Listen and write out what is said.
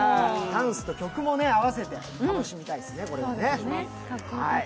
ダンスと曲も併せて楽しみたいですね、これは。